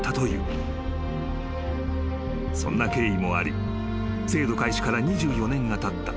［そんな経緯もあり制度開始から２４年がたった１９９０年］